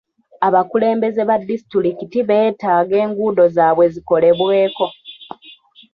Abakulembeze ba disitulikiti beetaaga enguudo zaabwe zikolebweko.